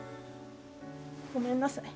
ごめんなさい。